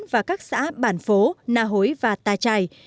và các xã bản phố na hối và ta chài